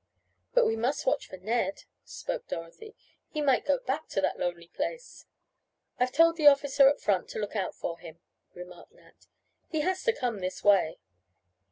"But we must watch for Ned," spoke Dorothy, "He might go back to that lonely place." "I've told the officer at front to look out for him," remarked Nat. "He has to come this way."